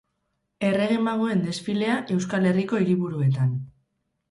Errege magoen desfilea Euskal Herriko hiriburuetan.